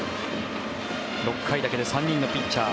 ６回だけで３人のピッチャー。